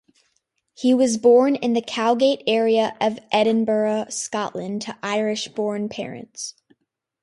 He was born in the Cowgate area of Edinburgh, Scotland, to Irish-born parents.